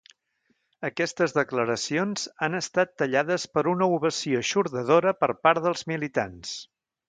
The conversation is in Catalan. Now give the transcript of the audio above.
Aquestes declaracions han estat tallades per una ovació eixordadora per part dels militants.